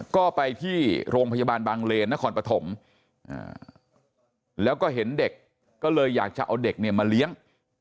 ก็ไปที่โรงพยาบาลบางเลนนครปฐมแล้วก็เห็นเด็กก็เลยอยากจะเอาเด็กเนี่ยมาเลี้ยง